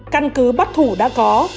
căn cứ bắt thủ đã có